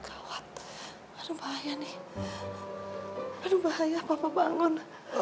aduh bahaya nih aduh bahaya papa bangun